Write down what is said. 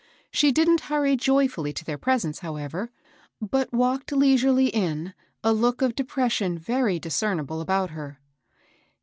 She didn't hurry joy fiiUy to their presence, however, but walked lei GOOD ANGELS. 181 surely in, a look of depression very discernible about her.